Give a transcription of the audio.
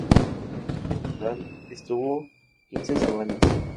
En total, estuvo quince semanas.